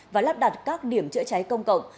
và lắp đặt các điểm chữa cháy công cộng